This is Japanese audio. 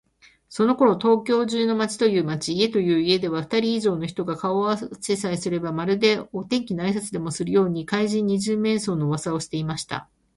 そのころ、東京中の町という町、家という家では、ふたり以上の人が顔をあわせさえすれば、まるでお天気のあいさつでもするように、怪人「二十面相」のうわさをしていました。